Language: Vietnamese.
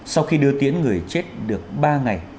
sau khi đưa tiễn người chết được ba ngày